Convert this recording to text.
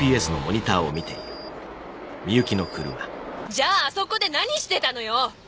じゃああそこで何してたのよ！